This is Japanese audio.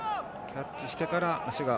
キャッチしてから足が。